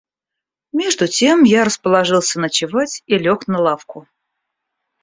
Между тем я расположился ночевать и лег на лавку.